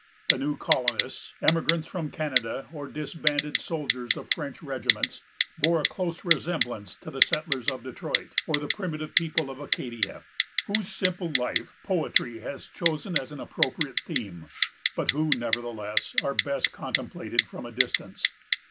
The new colonists, emigrants from Canada or disbanded soldiers of French regiments, bore a close resemblance to the settlers of Detroit, or the primitive people of Acadia; whose simple life poetry has chosen as an appropriate theme, but who, nevertheless, are best contemplated from a distance.